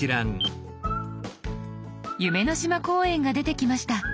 「夢の島公園」が出てきました。